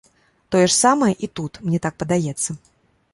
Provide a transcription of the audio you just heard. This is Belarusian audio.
Тое ж самае і тут, мне так падаецца.